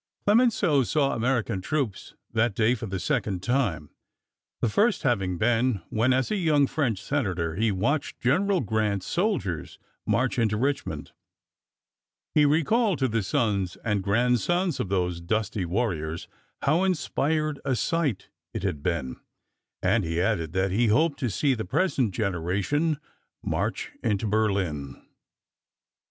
Clemenceau saw American troops that day for the second time, the first having been when, as a young French senator, he watched General Grant's soldiers march into Richmond. He recalled to the sons and grandsons of those dusty warriors how inspired a sight it had been, and he added that he hoped to see the present generation march into Berlin.